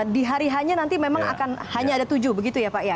di hari h nya nanti memang akan hanya ada tujuh begitu ya pak